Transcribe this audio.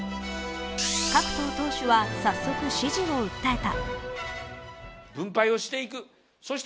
各党党首は早速、支持を訴えた。